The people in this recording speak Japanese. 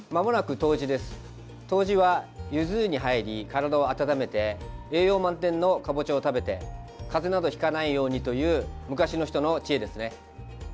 冬至は、ゆず湯に入り体を温めて栄養満点のかぼちゃを食べてかぜなどひかないようにという昔の人の知恵ですね。